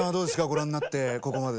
ご覧になってここまで。